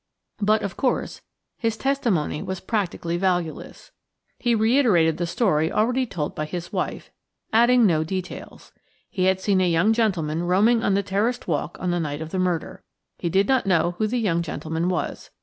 But, of course, his testimony was practically valueless. He reiterated the story already told by his wife, adding no details. He had seen a young gentleman roaming on the terraced walk on the night of the murder. He did not know who the young gentleman was.